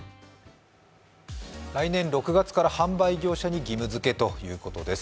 来年６月から販売業者に義務づけということです。